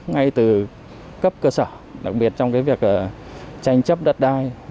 ngay từ cấp cơ sở đặc biệt trong việc tranh chấp đất đai